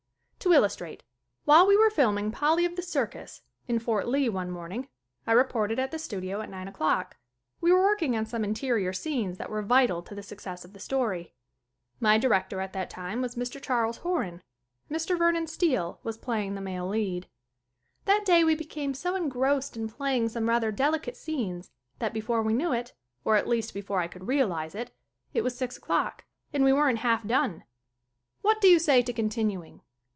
To illustrate : While we were filming "Polly of The Circus" in Fort Lee one morning I re ported at the studio at nine o'clock. We were working on some interior scenes that were vital to the success of the story. My director at that time was Mr. Charles Horan. Mr. Vernon Steele was playing the male lead. That day we became so engrossed in playing some rather delicate scenes that before we knew it or at least before I could realize it it was six o'clock, and we weren't half done. "What do you say to continuing?"